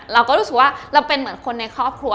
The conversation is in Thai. เราก็รู้สึกว่าเราเป็นเหมือนคนในครอบครัว